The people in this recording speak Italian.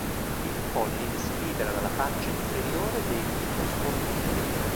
Il polline si libera dalla faccia inferiore dei microsporofilli.